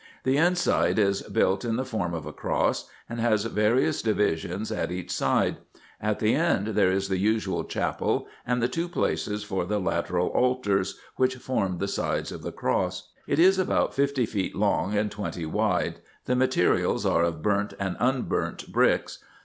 The inside is built in the form of a cross, and has various divisions at each side ; at the end there is the usual chapel, and two places for the lateral altars, which form the sides of the cross. It is about fifty feet long and twenty wide : the materials are of burnt and unburn t bricks.